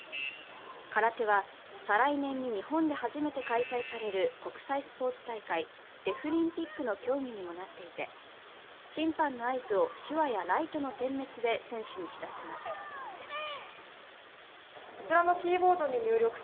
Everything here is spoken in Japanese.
空手は再来年の日本で初めて開催される国際スポーツ大会、デフリンピックの競技にもなっていて、審判の合図を手話やライトの点滅で選手に知らせます。